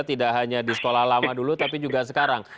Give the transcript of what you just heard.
tidak hanya di sekolah lama dulu tapi juga sekarang